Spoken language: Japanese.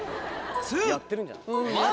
やってるんじゃない？